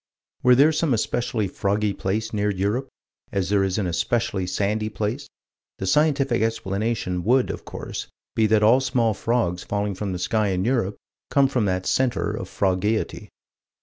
Were there some especially froggy place near Europe, as there is an especially sandy place, the scientific explanation would of course be that all small frogs falling from the sky in Europe come from that center of frogeity.